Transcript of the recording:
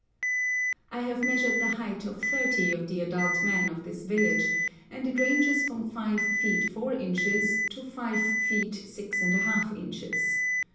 I have measured the height of thirty of the adult men of this village, and it ranges from 5 feet 4 inches to 5 feet 6½ inches.